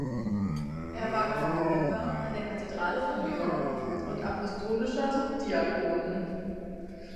Er war Kanoniker an der Kathedrale von Lyon und Apostolischer Subdiakon.